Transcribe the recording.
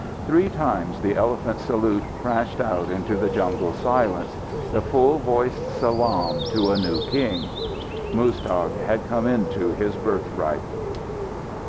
Three times the elephant salute crashed out into the jungle silence the full voiced salaam to a new king. Muztagh had come into his birthright.